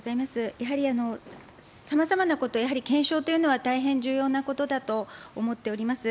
やはりさまざまなこと、やはり検証というのは大変重要なことだと思っております。